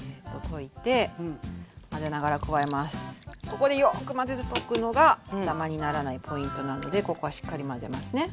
ここでよく混ぜとくのがダマにならないポイントなのでここはしっかり混ぜますね。